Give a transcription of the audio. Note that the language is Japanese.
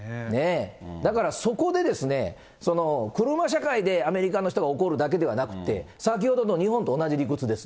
だからそこでですね、車社会でアメリカの人が怒るだけではなくって、先ほどの日本と同じ理屈です。